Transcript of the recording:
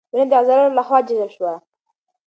وینه د عضلاتو له خوا جذب شوه.